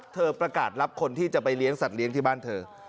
ประกาศรับคนที่จะไปเลี้ยงสัตว์เลี้ยงที่บ้านเธอ